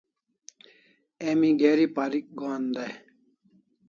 Emi geri parik gohan dai